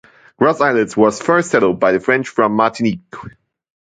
Gros Islet was first settled by the French from Martinique.